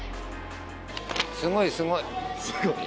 すごいすごい。